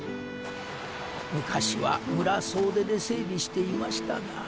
昔は村総出で整備していましたが。